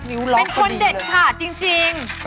นิ้วมากเลย